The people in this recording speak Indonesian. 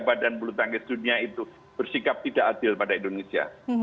badan bulu tangkis dunia itu bersikap tidak adil pada indonesia